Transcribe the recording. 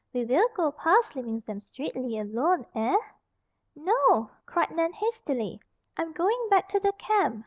We will go past leeving zem streectly alone, eh?" "No!" cried Nan hastily. "I'm going back to the camp.